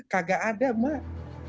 kagak ada mak